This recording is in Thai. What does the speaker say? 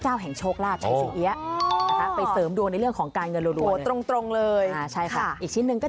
จะได้รับวัตถุมงคลอันน่ามกัยค่ะ